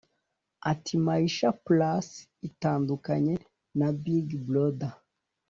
Ati “Maisha Plus itandukanye na Big Brother